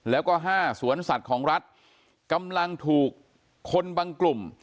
แล้วก็๕สวนสัตว์ของรัฐกำลังถูกคนบางกลุ่ม